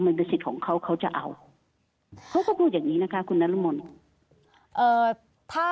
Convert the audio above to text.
มันเป็นสิทธิ์ของเขาเขาจะเอาเขาก็พูดอย่างนี้นะคะคุณนรมน